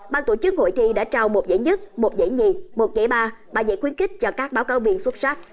ban tổ chức hội thi đã trao một giải nhất một giải nhì một giải ba ba giải khuyến kích cho các báo cáo viên xuất sắc